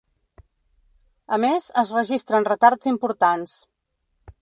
A més, es registren retards importants.